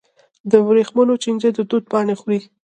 د ورېښمو چینجي د توت پاڼې خوري.